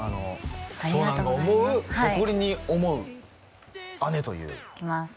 長男が思う誇りに思う姉といういきます